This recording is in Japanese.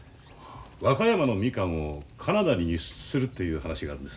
和歌山のみかんをカナダに輸出するという話があるんです。